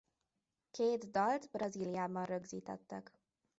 Két dalt Brazíliában rögzítettek.